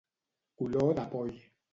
Color de poll.